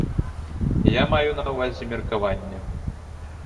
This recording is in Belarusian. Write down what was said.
Я маю на ўвазе меркаванне.